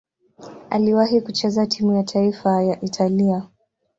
Aliwahi kucheza timu ya taifa ya Italia.